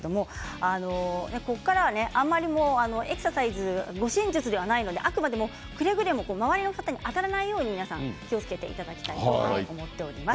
ここからエクササイズ護身術ではないので、あくまでも周りの方に当たらないように気をつけていただきたいと思います。